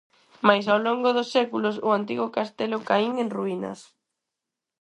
Mais ao longo dos séculos o antigo castelo caín en ruínas.